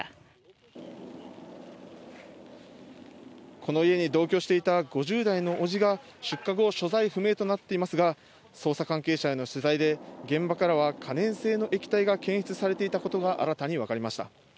この家に同居していた５０代の伯父が出火後、所在不明となっていますが、捜査関係者への取材で現場からは可燃性の液体が検出されていたことが新たに分かりました。